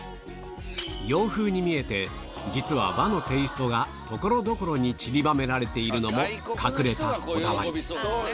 洋風に見えて実は和のテイストが所々にちりばめられているのも隠れたこだわり